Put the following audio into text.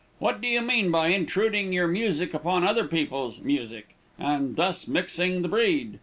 What do you mean by intruding your music upon other people's music, and thus mixing the breed?